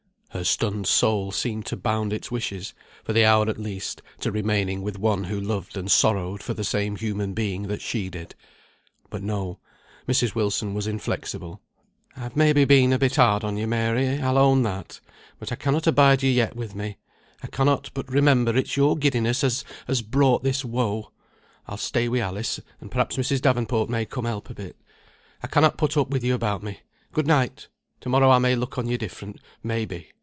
Her stunned soul seemed to bound its wishes, for the hour at least, to remaining with one who loved and sorrowed for the same human being that she did. But no. Mrs. Wilson was inflexible. "I've may be been a bit hard on you, Mary, I'll own that. But I cannot abide you yet with me. I cannot but remember it's your giddiness as has wrought this woe. I'll stay wi' Alice, and perhaps Mrs. Davenport may come help a bit. I cannot put up with you about me. Good night. To morrow I may look on you different, may be.